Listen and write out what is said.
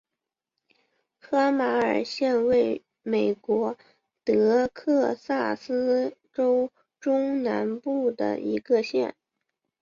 科马尔县位美国德克萨斯州中南部的一个县。